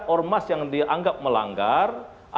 ormas yang dianggap melanggar